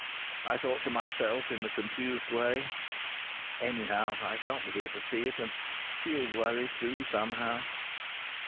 I thought to myself, in a confused way: "Anyhow, I shan't be here to see it, and she'll worry through somehow!"